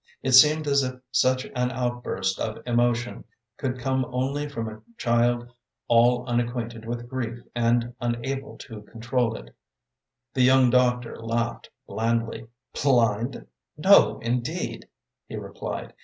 It seemed as if such an outburst of emotion could come only from a child all unacquainted with grief and unable to control it. The young doctor laughed blandly. "Blind? No, indeed," he replied.